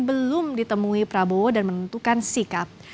belum ditemui prabowo dan menentukan sikap